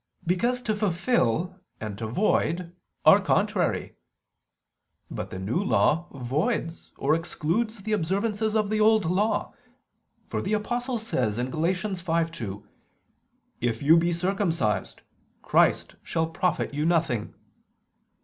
Because to fulfil and to void are contrary. But the New Law voids or excludes the observances of the Old Law: for the Apostle says (Gal. 5:2): "If you be circumcised, Christ shall profit you nothing."